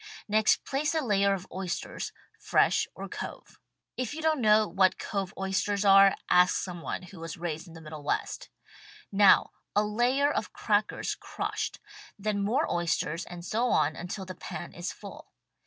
Next place a layer of oysters, fresh or cove. If you don't know what cove oysters are ask some one who was raised in the Middle West. Now a layer' of crackers crushed ; then more oysters and so on until the pan is full.